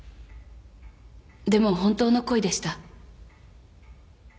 でも本当の恋でした。